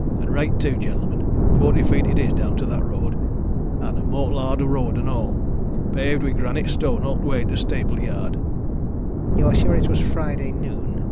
An' reight, too, gentlemen forty feet it is down to that road. An' a mortal hard road, an' all, paved wi' granite stone all t' way to t' stable yard." "You're sure it was Friday noon?"